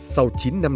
sau chín năm